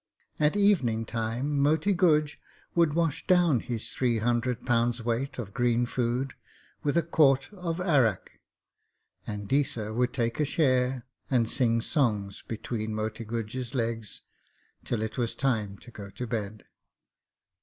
At evening time Moti Guj would wash down his three hundred pounds' weight of green food with a quart of arrack, and Deesa would take a share and sing songs between Moti Guj's legs till it was time to go to bed.